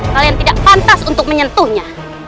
kalian tidak pantas untuk menyentuhnya